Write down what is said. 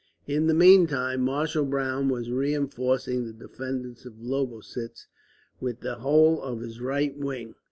In the meantime, Marshal Browne was reinforcing the defenders of Lobositz with the whole of his right wing.